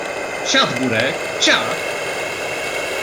Siad Burek, siad!